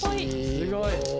すごい。